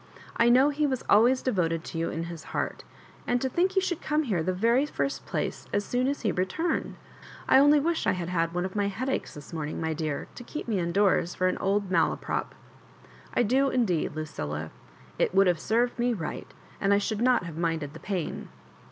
I know he was always devoted to you in his heart; and to think he should come here the very first place as soon as he returned 1 I only wish I had had one of my headaches this morning, my dear, to keep me indoors for an old Malaprop. I do mdeed, Lu eilla. It would have served me right, and I should not have minded the pain.''